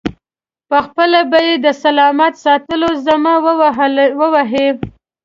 پخپله به یې د سلامت ساتلو ذمه و وهي.